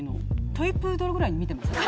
トイプードルぐらいに見てません？